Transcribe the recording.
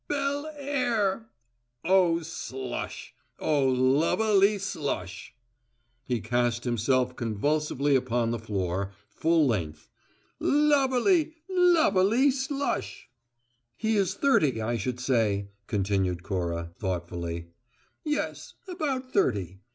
Bel air! Oh, slush! Oh, luv a ly slush!" He cast himself convulsively upon the floor, full length. "Luv a ly, luv a ly slush!" "He is thirty, I should say," continued Cora, thoughtfully. "Yes about thirty.